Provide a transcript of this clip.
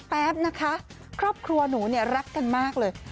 แป๊บนะคะครอบครัวหนูเนี่ยรักกันมากเลย